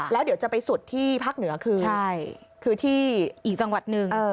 แล้วเดี๋ยวจะไปสุดที่ภาคเหนือคือที่อีกจังหวัดหนึ่ง